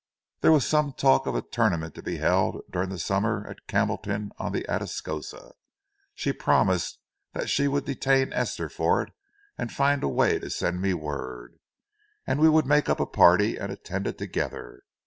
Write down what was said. There was some talk of a tournament to be held during the summer at Campbellton on the Atascosa. She promised that she would detain Esther for it and find a way to send me word, and we would make up a party and attend it together.